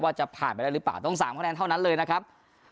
ว่าจะผ่านไปได้หรือเปล่าต้อง๓คะแนนเท่านั้นเลยนะครับ